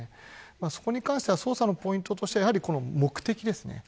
そこに関しては捜査のポイントとして目的です。